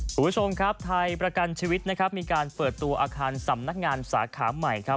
คุณผู้ชมครับไทยประกันชีวิตนะครับมีการเปิดตัวอาคารสำนักงานสาขาใหม่ครับ